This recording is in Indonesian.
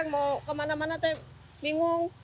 mau kemana mana tapi bingung